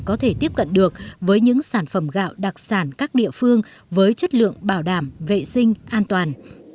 có thể tiếp cận được với những sản phẩm gạo đặc sản các địa phương với chất lượng bảo đảm vệ sinh an toàn